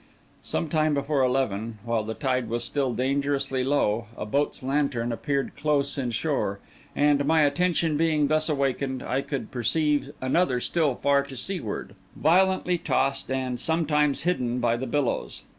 Some time before eleven, while the tide was still dangerously low, a boat's lantern appeared close in shore; and, my attention being thus awakened, I could perceive another still far to seaward, violently tossed, and sometimes hidden by the billows.